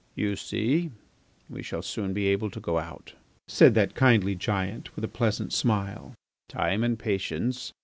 "You see we shall soon be able to go out," said that kindly giant, with a pleasant smile. "Time and patience